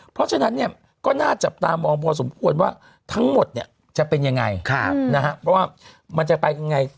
เพราะฉะนั้นก็น่าจะตามมองพอสมมุติว่าทั้งหมดจะเป็นยังไงเพราะว่ามันจะไปยังไง